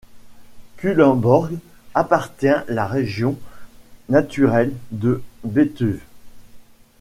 Culemborg appartient la région naturelle de Betuwe.